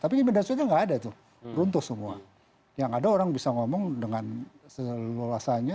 tapi media sosial itu gak ada tuh runtuh semua yang ada orang bisa ngomong dengan seluasannya